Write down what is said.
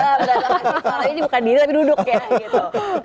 berasa festival ini bukan diri tapi duduk ya gitu